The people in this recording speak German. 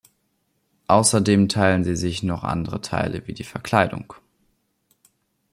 Außerdem teilen sie sich noch andere Teile wie die Verkleidung.